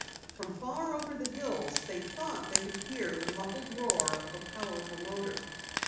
From far over the hills they thought they could hear the muffled roar of a powerful motor.